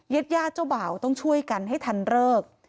เย็ดยาเจ้าบ่าวต้องช่วยกันให้ทันเลิก